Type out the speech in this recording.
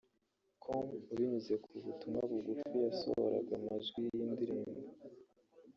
com binyuze ku butumwa bugufi ubwo yasohoraga amajwi y'iyi ndirimbo